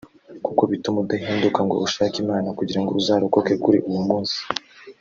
kuko bituma udahinduka ngo ushake imana kugirango uzarokoke kuli uwo munsi